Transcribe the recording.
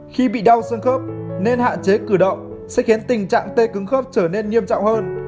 khi bị đau xương khớp nên hạn chế cử động sẽ khiến tình trạng tê cứng khớp trở nên nghiêm trọng hơn